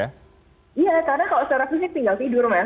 iya karena kalau secara fisik tinggal tidur mas